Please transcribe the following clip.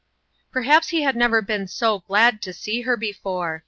Perhaps he had never been so glad to see her before.